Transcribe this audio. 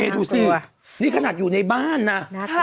ดูสินี่ขนาดอยู่ในบ้านนะ